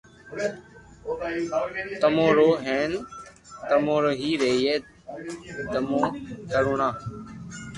تمو رو ھي ھين تمو رو ھي رھئي تمو ڪروڻا